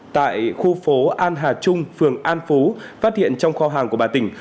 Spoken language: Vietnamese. tại khu phố an hà trung phường an phú phát hiện trong kho hàng của bà tỉnh